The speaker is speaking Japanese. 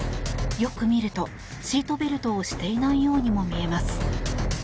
よく見ると、シートベルトをしていないようにも見えます。